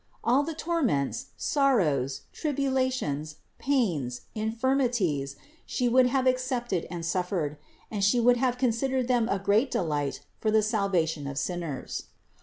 All the torments, sorrows, tribulations, pains, infirmities She would have accepted and suffered; and She would have considered them a great delight for the salvation of sinners.